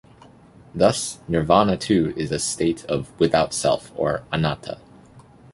Thus, "nirvana" too is a state of "without Self" or anatta.